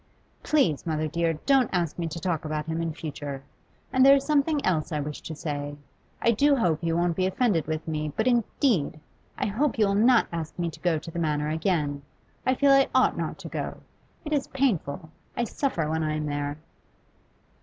Please, mother dear, don't ask me to talk about him in future. And there is something else I wish to say. I do hope you won't be offended with me, but indeed I I hope you will not ask me to go to the Manor again. I feel I ought not to go. It is painful; I suffer when I am there.